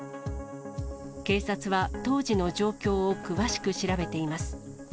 警察は、当時の状況を詳しく調べています。